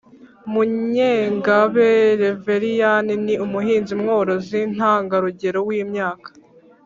Munyengabe Reveriyani ni umuhinzi mworozi ntangarugero w’imyaka